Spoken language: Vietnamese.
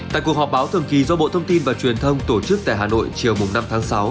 tại cuộc họp báo thường kỳ do bộ thông tin và truyền thông tổ chức tại hà nội chiều năm tháng sáu